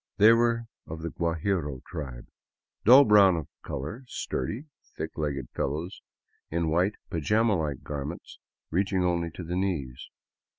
They were of the Guajiro tribe, dull brown of color, sturdy, thick legged fellows in white pa jama like garments reach ing only to the knees.